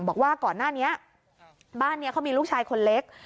บอกว่าก่อนหน้านี้บ้านนี้เขามีลูกชายคนเล็ก